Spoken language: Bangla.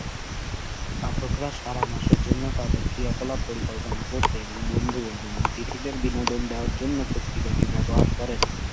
পাঠকরা "সারা মাসের জন্য তাদের ক্রিয়াকলাপ পরিকল্পনা করতে এবং বন্ধু এবং অতিথিদের বিনোদন দেওয়ার জন্য পত্রিকাটি ব্যবহার করেন।"